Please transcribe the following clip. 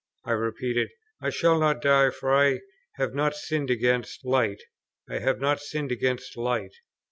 I repeated, "I shall not die, for I have not sinned against light, I have not sinned against light."